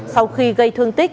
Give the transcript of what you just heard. sau khi gây thương tích